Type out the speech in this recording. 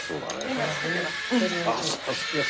今作ってます。